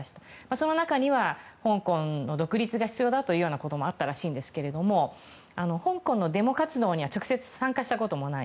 その中には香港の独立が必要だということもあったらしいんですけど香港のデモ活動には直接参加したこともない